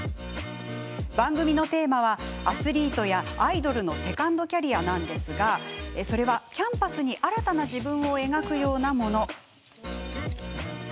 番組のテーマはアスリートやアイドルのセカンドキャリアなんですがそれはキャンバスに新たな自分を描くようなもの。